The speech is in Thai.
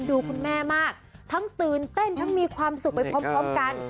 ดูคุณแม่มากทั้งตื่นเต้นทั้งมีความสุขไปพร้อมกัน